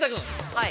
はい。